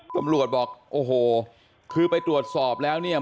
ตำรวจบอกโอ้โหคือไปตรวจสอบแล้วเนี่ย